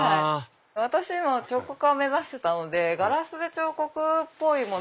私彫刻家を目指してたのでガラスで彫刻っぽいもの。